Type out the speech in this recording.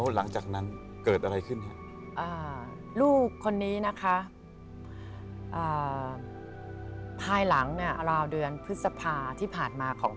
หลังจากเดือนพฤษภาที่ผ่านมาของ